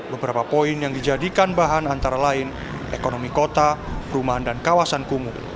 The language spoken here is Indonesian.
beberapa poin yang dijadikan bahan antara lain ekonomi kota perumahan dan kawasan kumuh